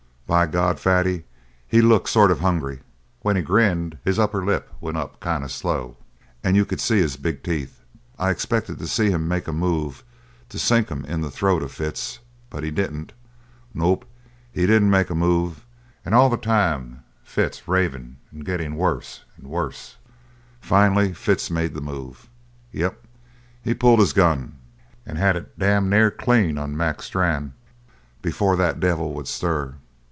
By God, Fatty, he looked sort of hungry. When he grinned, his upper lip went up kind of slow and you could see his big teeth. I expected to see him make a move to sink 'em in the throat of Fitz. But he didn't. Nope, he didn't make a move, and all the time Fitz ravin' and gettin' worse and worse. Finally Fitz made the move. Yep, he pulled his gun and had it damned near clean on Mac Strann before that devil would stir.